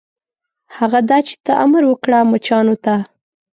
هغه دا چې ته امر وکړه مچانو ته.